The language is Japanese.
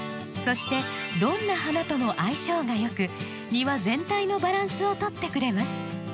そしてどんな花とも相性が良く庭全体のバランスをとってくれます。